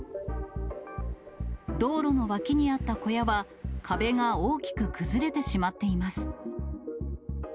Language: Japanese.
道路の脇にあった小屋は、壁が大きく崩れてしまっています。